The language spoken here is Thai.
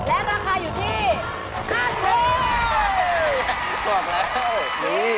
และราคาอยู่ที่๕๐บาท